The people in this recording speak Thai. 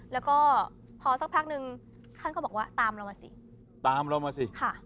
แล้วก็พอสักพักนึงท่านก็บอกว่าตามเรามาสิตามเรามาสิค่ะ